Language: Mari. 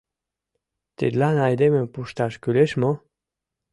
— Тидлан айдемым пушташ кӱлеш мо?